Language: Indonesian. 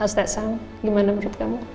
astaik sama gimana menurut kamu